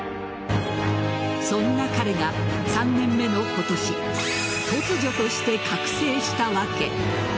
そんな彼が３年目の今年突如として覚醒した訳。